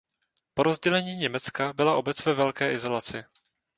Po rozdělení Německa byla obec ve velké izolaci.